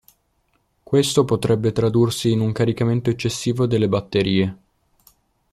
Questo potrebbe tradursi in un caricamento eccessivo delle batterie.